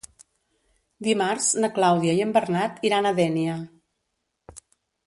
Dimarts na Clàudia i en Bernat iran a Dénia.